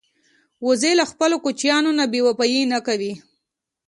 وزې له خپلو کوچنیانو نه بېوفايي نه کوي